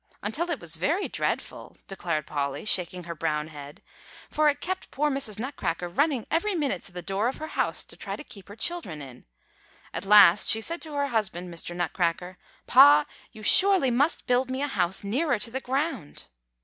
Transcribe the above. "Until it was very dreadful," declared Polly, shaking her brown head; "for it kept poor Mrs. Nutcracker running every minute to the door of her house to try to keep her children in. At last she said to her husband, Mr. Nutcracker, 'Pa, you surely must build me a house nearer to the ground.